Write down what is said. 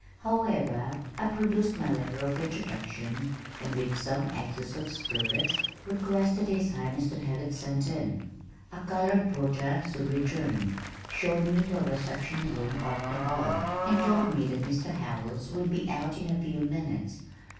However, I produced my letter of introduction and with some access of spirit requested His Highness to have it sent in. A colored porter soon returned, showed me to a reception room off the hall, and told me that Mr. Howells would be out in a few minutes.